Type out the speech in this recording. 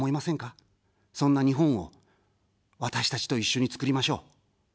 そんな日本を私たちと一緒に作りましょう。